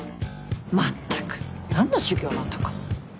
まったく何の修行なんだか。